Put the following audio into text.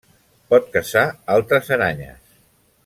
Pot caçar altres aranyes.